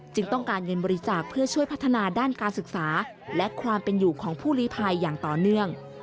ต้องการเงินบริจาคเพื่อช่วยพัฒนาด้านการศึกษาและความเป็นอยู่ของผู้ลีภัยอย่างต่อเนื่อง